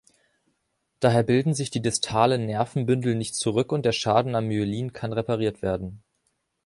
Daher bilden sich die distalen Nervenbündel nicht zurück und der Schaden am Myelin kann repariert werden.